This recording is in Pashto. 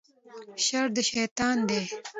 شر د شیطان دی